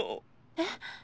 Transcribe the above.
えっ？